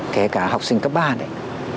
kể cả học sinh cấp ba đấy